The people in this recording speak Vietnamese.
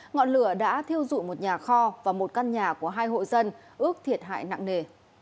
ngọn lửa đã thiêu dụi một nhà kho và một căn nhà của hai hộ dân ước thiệt hại nặng nề